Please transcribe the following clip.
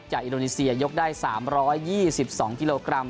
อินโดนีเซียยกได้๓๒๒กิโลกรัม